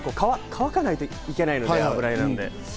乾かないといけないので、油絵なので。